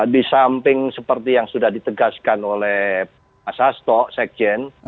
di samping seperti yang sudah ditegaskan oleh asasto sekjen